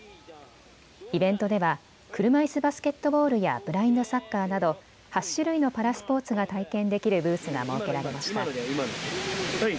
イベントでは車いすバスケットボールやブラインドサッカーなど８種類のパラスポーツが体験できるブースが設けられました。